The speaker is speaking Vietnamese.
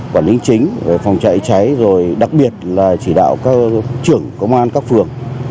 quản lý chính phòng chạy cháy rồi đặc biệt là chỉ đạo các trưởng công an các phường